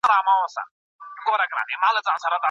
څه ډول ګامونه د باور جوړوني لپاره اخیستل کیږي؟